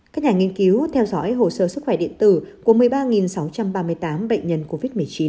các nhà nghiên cứu theo dõi hồ sơ sức khỏe điện tử của một mươi ba sáu trăm ba mươi tám bệnh nhân covid một mươi chín